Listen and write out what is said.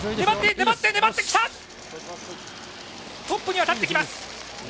トップには立ってきます。